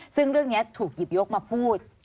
ซึ่งเรื่องนี้ถูกหยิบยกมาพูด